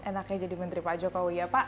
enaknya jadi menteri pak jokowi ya pak